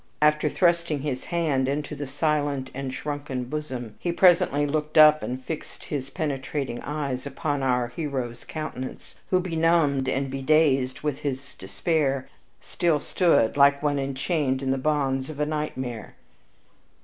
After thrusting his hand into the silent and shrunken bosom, he presently looked up and fixed his penetrating eyes upon our hero's countenance, who, benumbed and bedazed with his despair, still stood like one enchained in the bonds of a nightmare.